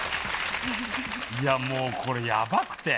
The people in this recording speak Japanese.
いやもうこれヤバくて。